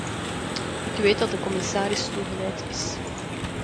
Ik weet dat de commissaris toegewijd is.